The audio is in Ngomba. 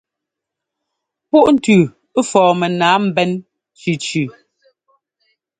Púʼntʉʉ fɔɔ mɛnǎa mbɛ́n cʉcʉ.